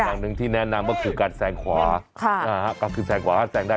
อย่างหนึ่งที่แนะนำก็คือการแซงขวาก็คือแซงขวาแซงได้